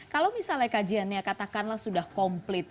kalau misalnya kajiannya katakanlah sudah komplit